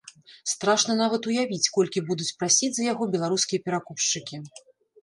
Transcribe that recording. Страшна нават уявіць, колькі будуць прасіць за яго беларускія перакупшчыкі.